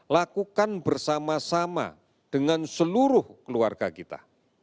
lakukan bersama sama dengan seluruh keluarga kita